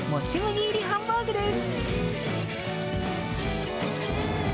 麦入りハンバーグです。